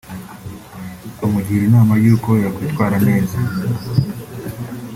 amugira inama y’uko yakwitwara neza